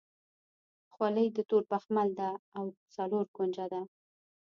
خولۍ د تور بخمل ده او څلور کونجه ده.